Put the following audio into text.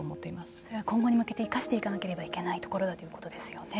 それは今後に向けて生かしていかなければいけないところだということですよね。